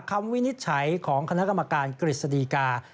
วินิจฉัยของคณะกรรมการกฤษฎีกา